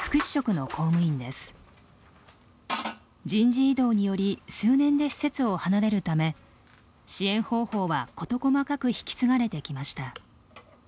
人事異動により数年で施設を離れるため支援方法は事細かく引き継がれてきました。